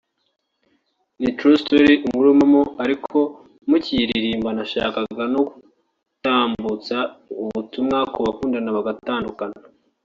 ni true story [inkuru mpamo] ariko mu kuyiririmba nashakaga no gutambutsa ubutumwa ku bakundana bagatandukana